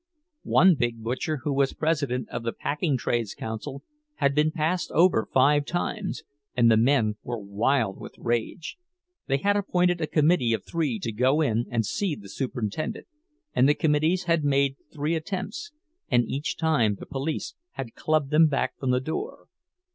One big butcher, who was president of the Packing Trades Council, had been passed over five times, and the men were wild with rage; they had appointed a committee of three to go in and see the superintendent, and the committee had made three attempts, and each time the police had clubbed them back from the door.